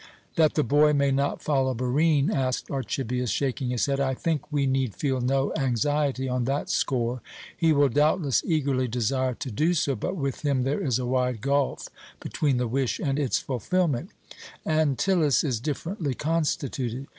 "That the boy may not follow Barine?" asked Archibius, shaking his head. "I think we need feel no anxiety on that score. He will doubtless eagerly desire to do so, but with him there is a wide gulf between the wish and its fulfilment. Antyllus is differently constituted.